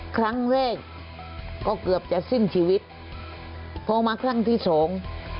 ครั้งแรกก็เกือบจะสิ้นชีวิตพอมาครั้งที่สอง